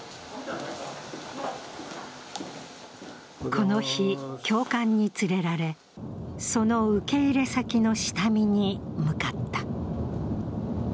この日、教官に連れられその受け入れ先の下見に向かった。